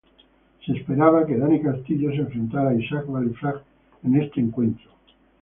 Se esperaba que Danny Castillo se enfrentara a Isaac Vallie-Flagg en este evento.